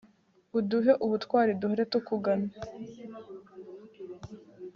uduhe ubutwari, duhore tukugana